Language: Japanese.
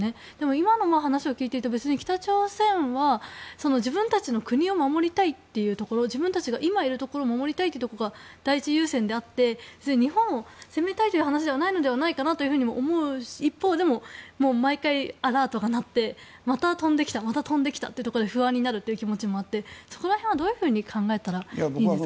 今の話を聞いていて別に北朝鮮は、自分たちの国を守りたいというところ自分たちが今いるところを守りたいというところが第一優先であって、日本を攻めたいという話ではないのかなと思う一方でも、毎回アラートが鳴ってまた飛んできたというところで不安になるという気持ちもあってそこはどういうふうに考えたらいいですかね。